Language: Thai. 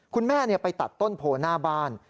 คุณแม่ไปตัดต้นโพหน้าบ้าน